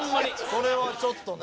それはちょっとねえ。